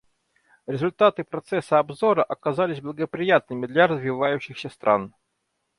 Результаты процесса обзора оказались благоприятными для развивающихся стран.